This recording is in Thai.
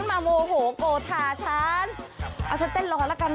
ไม่กล้ากินเลย